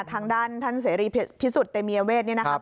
ทางด้านท่านเสรีพิสุทธิ์เตมียเวทเนี่ยนะครับ